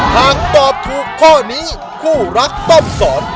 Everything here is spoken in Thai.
หากตอบถูกข้อนี้คู่รักต้องสอน